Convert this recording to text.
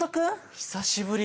久しぶり。